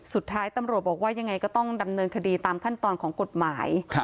สุดท้ายตำรวจบอกว่ายังไงก็ต้องดำเนินคดีตามขั้นตอนของกฎหมาย